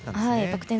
バク転